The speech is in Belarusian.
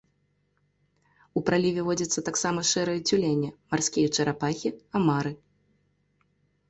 У праліве водзяцца таксама шэрыя цюлені, марскія чарапахі, амары.